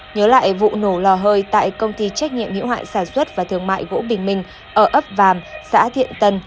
nhớ lại vụ nổ lò hơi tại công ty trách nhiệm hiệu hạn sản xuất và thương mại gỗ bình minh ở ấp vàm xã thiện tân